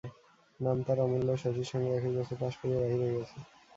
নাম তার অমূল্য, শশীর সঙ্গে একই বছর পাস করিয়া বাহির হইয়াছে।